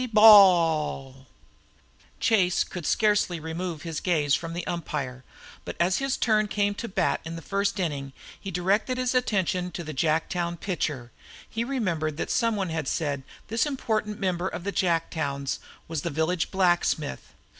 Chase could scarcely remove his gaze from the umpire, but as his turn to bat came in the first inning he directed his attention to the Jacktown pitcher. He remembered that some one had said this important member of the Jacktowns was the village blacksmith.